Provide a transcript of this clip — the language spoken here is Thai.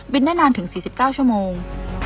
ได้นานถึง๔๙ชั่วโมง